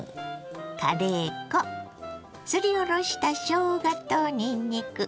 すりおろしたしょうがとにんにく。